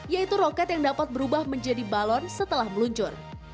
yaitu roket yang dapat berubah menjadi balon setelah meluncur